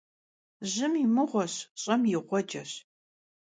Jım yi mığueş, ş'em yi ğueceş.